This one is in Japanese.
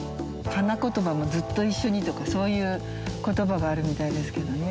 花言葉は「ずっと一緒に」とかそういう言葉があるみたいですけどね。